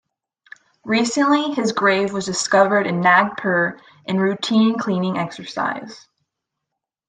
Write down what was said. Recently his grave was discovered in Nagpur in routine cleaning exercise.